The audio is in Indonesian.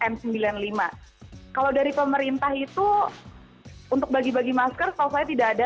n sembilan puluh lima kalau dari pemerintah itu untuk bagi bagi masker setahu saya tidak ada